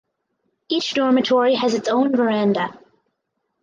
Each dormitory has its own veranda.